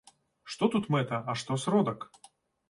Што тут мэта, а што сродак?